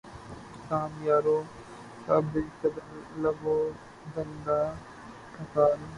کام یاروں کا بہ قدرٕ لب و دنداں نکلا